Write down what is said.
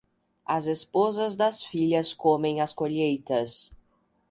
As esposas das filhas comem as colheitas.